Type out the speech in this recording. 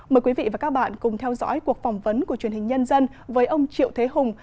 mời quý vị và các bạn cùng theo dõi cuộc phỏng vấn của truyền hình nhân dân với ông triệu thế hùng